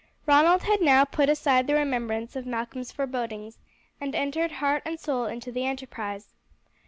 Ronald had now put aside the remembrance of Malcolm's forebodings, and entered heart and soul into the enterprise.